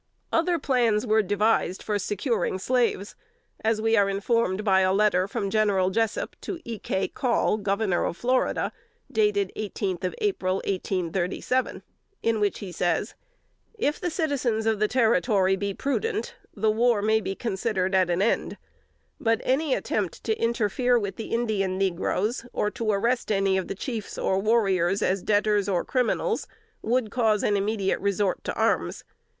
Other plans were devised for securing slaves, as we are informed by a letter from General Jessup to E. K. Call, Governor of Florida, dated eighteenth of April, 1837, in which he says: "If the citizens of the territory be prudent, the war may be considered at an end; but any attempt to interfere with the Indian negroes, or to arrest any of the chiefs or warriors as debtors or criminals, would cause an immediate resort to arms.